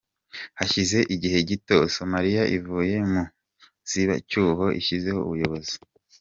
Hashize igihe gito Somalia ivuye mu nzibacyuho , ishyizeho ubuyobozi.